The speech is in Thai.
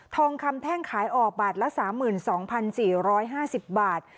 ทองคำแท่งขายออกบาทละสามหมื่นสองพันสี่ร้อยห้าสิบบาท